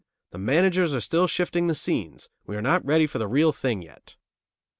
The managers are still shifting the scenes; we are not ready for the real thing yet."